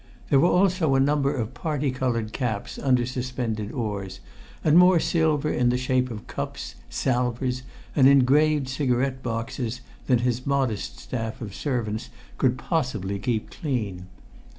There were also a number of parti coloured caps under suspended oars, and more silver in the shape of cups, salvers, and engraved cigarette boxes than his modest staff of servants could possibly keep clean.